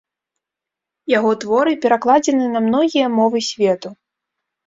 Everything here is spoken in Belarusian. Яго творы перакладзены на многія мовы свету.